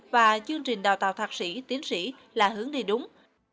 và chương trình đào tạo thạc sĩ tiến sĩ là hướng đi đúng